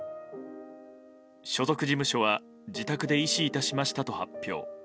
所属事務所は自宅で縊死致しましたと発表。